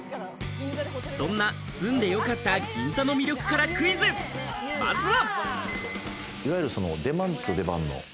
そんな住んでよかった銀座の魅力からクイズまずは。